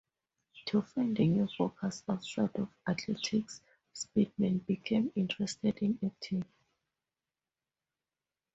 To find a new focus outside of athletics, Speedman became interested in acting.